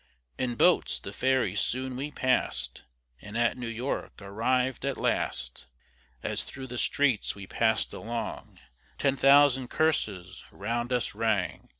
In boats, the ferry soon we pass'd, And at New York arriv'd at last; As through the streets we pass'd along, Ten thousand curses round us rang.